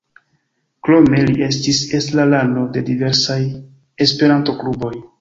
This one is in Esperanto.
Krome li estis estrarano de diversaj Esperanto-kluboj.